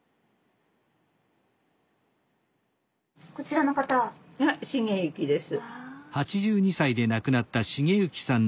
こちらの方？が成幸です。